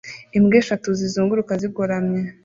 Imbwa eshatu zizunguruka zigoramye